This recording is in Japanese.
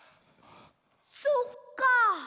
そっか。